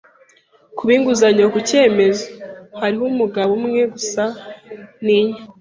kuba inguzanyo ku cyemezo. Hariho umugabo umwe gusa ntinya. ”